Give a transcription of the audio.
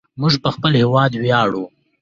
موږ په خپل هیواد ویاړو.